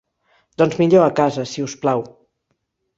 Doncs millor a casa, si us plau.